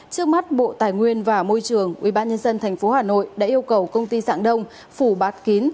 trước mắt bộ tài nguyên và môi trường ubnd tp hà nội đã yêu cầu công ty dạng đông phủ bạt kín